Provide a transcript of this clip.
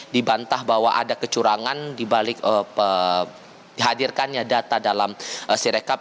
dibantah bahwa ada kecurangan di balik hadirkannya data dalam sirekap